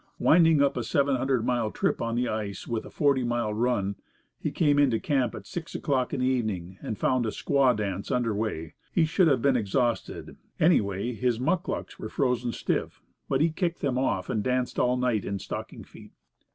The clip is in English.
Winding up a seven hundred mile trip on the ice with a forty mile run, he came into camp at six o'clock in the evening and found a "squaw dance" under way. He should have been exhausted. Anyway, his muclucs were frozen stiff. But he kicked them off and danced all night in stocking feet.